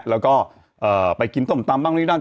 แล้วก็ไปกินต้มตำบ้าง